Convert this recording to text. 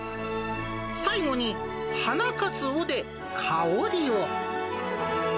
最後に花かつおで香りを。